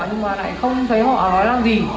nhưng mà lại không thấy họ nói làm gì